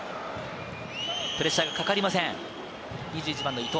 プレッシャーがかかりません、伊東。